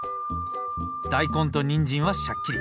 大根とにんじんはしゃっきり。